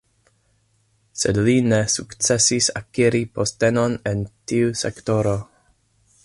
Sed li ne sukcesis akiri postenon en tiu sektoro.